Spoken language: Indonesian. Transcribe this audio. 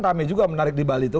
yang menarik perhatian kan